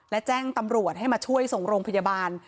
และแจ้งตำรวจให้มาช่วยส่งโรงพยาบาล